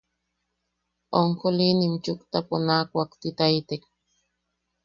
Onjolinim chuktapo naa kuaktitaitek.